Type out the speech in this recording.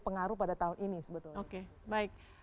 pengaruh pada tahun ini sebetulnya oke baik